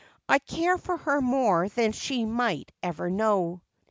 I care for her more than she may ever know."